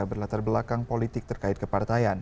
berlatar belakang politik terkait kepartaian